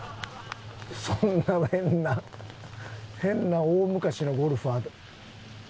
そんな変な変な大昔のゴルファー。